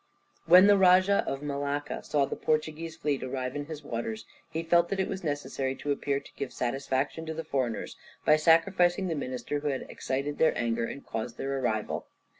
When the Rajah of Malacca saw the Portuguese fleet arrive in his waters, he felt that it was necessary to appear to give satisfaction to the foreigners by sacrificing the minister who had excited their anger and caused their arrival.